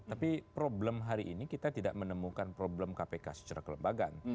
tapi problem hari ini kita tidak menemukan problem kpk secara kelembagaan